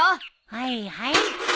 はいはい。